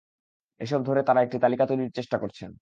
এসব ধরে তাঁরা একটি তালিকা তৈরির চেষ্টা করছেন।